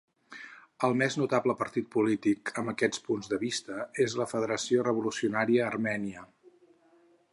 El més notable partit polític amb aquests punts de vista és la Federació Revolucionària Armènia.